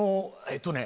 えっとね。